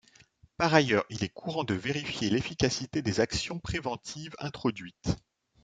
Par ailleurs, il est courant de vérifier l'efficacité des actions préventives introduites.